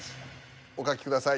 お書きください。